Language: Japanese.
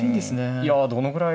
いやどのぐらい。